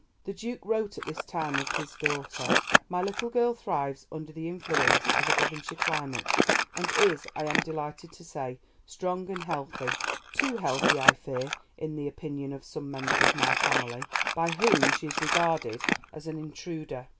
The Duke wrote at this time of his daughter: "My little girl thrives under the influence of a Devonshire climate, and is, I am delighted to say, strong and healthy; too healthy, I fear, in the opinion of some members of my family, by whom she is regarded as an intruder.